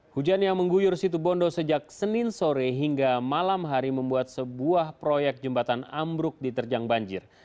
hujan yang mengguyur situbondo sejak senin sore hingga malam hari membuat sebuah proyek jembatan ambruk diterjang banjir